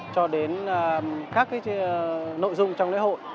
cho đến các nội dung trong lễ hội